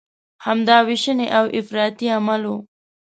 همدا ویشنې او افراطي عمل و.